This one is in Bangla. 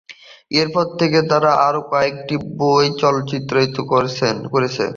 এরপর থেকে তাঁর আরও কয়েকটি বই চলচ্চিত্রায়িত হয়েছে।